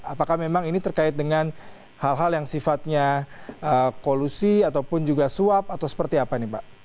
apakah memang ini terkait dengan hal hal yang sifatnya kolusi ataupun juga suap atau seperti apa nih pak